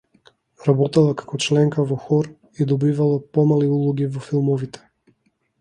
Работела како членка во хор и добивала помали улоги во филмовите.